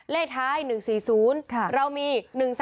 เลขท้าย๑๔๐เรามี๑๓